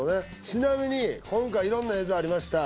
ちなみに今回色んな映像ありました